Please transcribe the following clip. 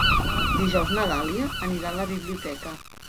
Dijous na Dàlia anirà a la biblioteca.